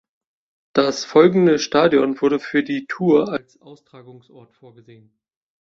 Das folgende Stadion wurden für die Tour als Austragungsort vorgesehen.